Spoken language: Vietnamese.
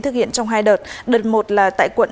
thực hiện trong hai đợt đợt một là tại quận